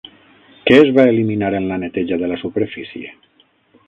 Què es va eliminar en la neteja de la superfície?